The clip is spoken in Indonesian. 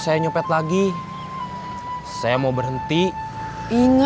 gapa gapeet ini udah ada tanpa headphones klage